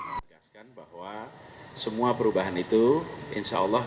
saya mengatakan bahwa semua perubahan itu insya allah